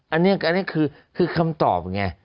อันนี้คือคำตอบไง